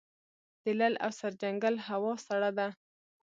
د لعل او سرجنګل هوا سړه ده